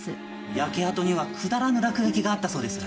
焼け跡にはくだらぬ落書きがあったそうです。